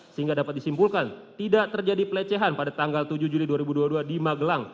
sehingga dapat disimpulkan tidak terjadi pelecehan pada tanggal tujuh juli dua ribu dua puluh dua di magelang